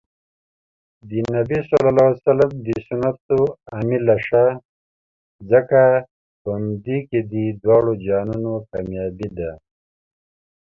د نبي ص د سنتو عاملشه ځکه په همدې کې د دواړو جهانونو کامیابي